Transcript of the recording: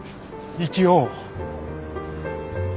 生きよう。